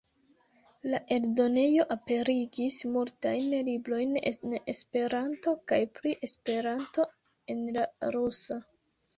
La eldonejo aperigis multajn librojn en Esperanto kaj pri Esperanto en la rusa.